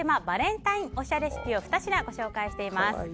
バレンタインおしゃレシピを２品ご紹介しています。